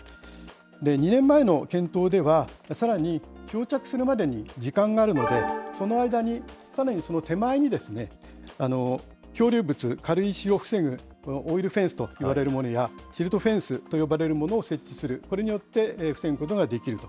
２年前の検討では、さらに漂着するまでに時間があるので、その間にかなり手前に漂流物、軽石を防ぐオイルフェンスといわれるものや、シルトフェンスと呼ばれるものを設置する、これによって防ぐことができると。